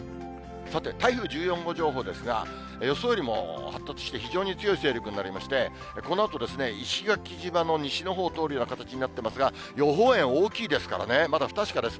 さて台風１４号情報ですが、予想よりも発達して、非常に強い勢力になりまして、このあと石垣島の西のほう通るような形になってますが、予報円大きいですからね、まだ不確かです。